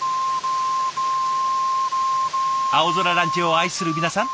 青空ランチを愛する皆さん